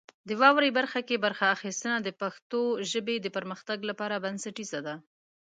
د واورئ برخه کې برخه اخیستنه د پښتو ژبې د پرمختګ لپاره بنسټیزه ده.